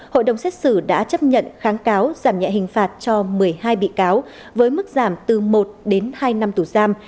hội đồng xét xử đã chấp nhận kháng cáo giảm nhẹ hình phạt cho một mươi hai bị cáo với mức giảm từ một đến hai năm tù giam